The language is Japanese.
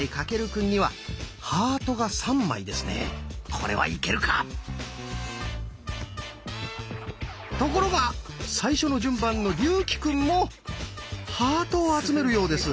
これはいけるか⁉ところが最初の順番の竜暉くんもハートを集めるようです。